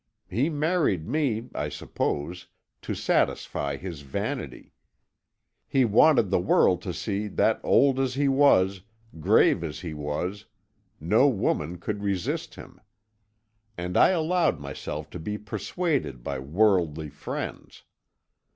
He married me, I suppose, to satisfy his vanity; he wanted the world to see that old as he was, grave as he was, no woman could resist him. And I allowed myself to be persuaded by worldly friends!